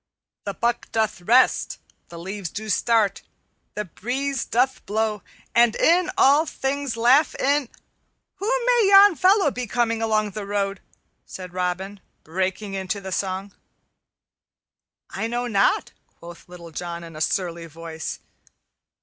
The buck doth rest The leaves do start, The cock doth crow, The breeze doth blow, And all things laugh in_ " "Who may yon fellow be coming along the road?" said Robin, breaking into the song. "I know not," quoth Little John in a surly voice.